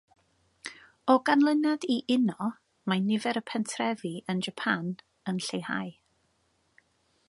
O ganlyniad i uno, mae nifer y pentrefi yn Japan yn lleihau.